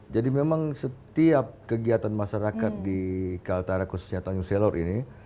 jadi memang setiap kegiatan masyarakat di kaltara khususnya tanjung seluruh ini